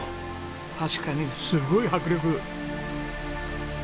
確かにすごい迫力。